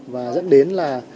và dẫn đến là